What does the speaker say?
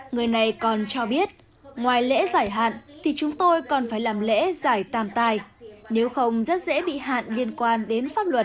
người này còn cho biết ngoài lễ giải hạn thì chúng tôi còn phải làm lễ giải tàn nếu không rất dễ bị hạn liên quan đến pháp luật